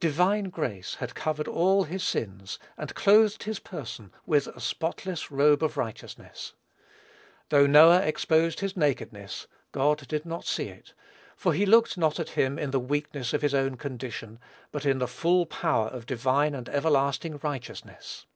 Divine grace had covered all his sins, and clothed his person with a spotless robe of righteousness. Though Noah exposed his nakedness, God did not see it, for he looked not at him in the weakness of his own condition, but in the full power of divine and everlasting righteousness.